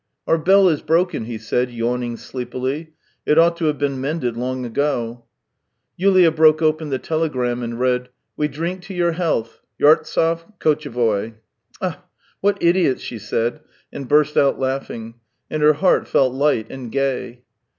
" Our bell is broken," he said, yawning sleepily. "It ought to have been mended long ago." Yulia broke open the telegram and read: " We drink to your health. — Yartsev, Kotche VOY." " Ah, what idiots !" she said, and burst out laughing; and her heart felt ligiit and gay.